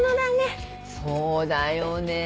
そうだよね。